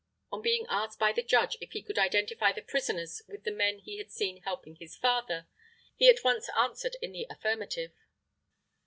On being asked by the Judge if he could identify the prisoners with the men he had seen helping his father, he at once answered in the affirmative.